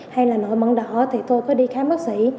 hay là nội mận đỏ thì tôi có đi khám bác sĩ